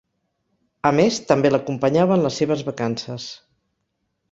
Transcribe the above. A més, també l'acompanyava en les seves vacances.